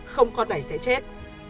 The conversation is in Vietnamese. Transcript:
không con này sẽ chết